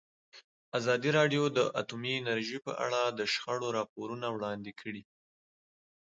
ازادي راډیو د اټومي انرژي په اړه د شخړو راپورونه وړاندې کړي.